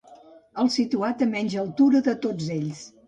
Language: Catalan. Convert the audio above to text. El situat a menys altura de tots ells.